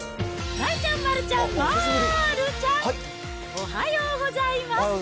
丸ちゃん、丸ちゃん、まーるちゃん、おはようございます。